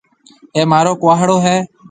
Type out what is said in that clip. اَي مهارو ڪُهاڙو هيَ۔